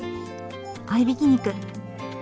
合いびき肉！